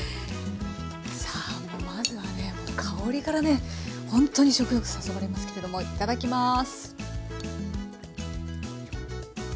さあまずはね香りからねほんとに食欲誘われますけれどもいただきます。